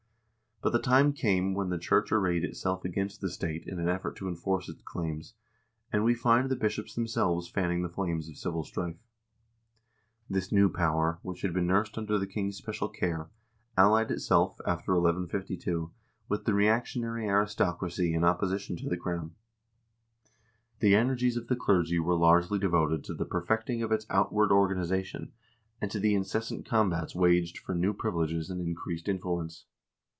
But the time came when the church arrayed itself against the state in an effort to enforce its claims, and we find the bishops themselves fanning the flames of civil strife. This new power, which had been nursed under the king's special care, allied itself, after 1152, with the reactionary aristocracy in opposition to the crown. The energies of the clergy were largely devoted to the perfecting of its outward organization, and to the incessant combats waged for new privileges and increased influence.